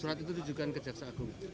surat itu juga